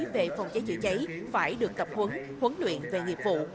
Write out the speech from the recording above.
về phòng cháy chữa cháy phải được tập huấn huấn luyện về nghiệp vụ